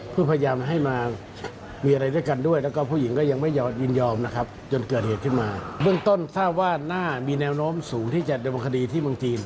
เรื่องต้นทราบว่าน่ามีแนวโน้มสูงที่จะดำเนินคดีที่เมืองจีน